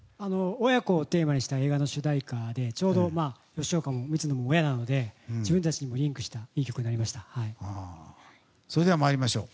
親子をテーマにした映画の主題歌でちょうど吉岡も僕も親なので自分たちにリンクしたそれでは参りましょう。